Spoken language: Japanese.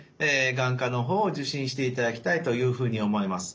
眼科の方を受診していただきたいというふうに思います。